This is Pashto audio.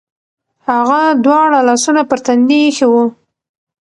هغه دواړه لاسونه پر تندي ایښي و.